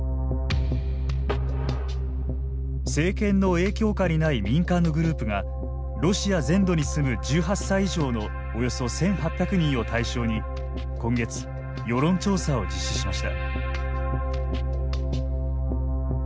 政権の影響下にない民間のグループがロシア全土に住む１８歳以上のおよそ１，８００人を対象に今月世論調査を実施しました。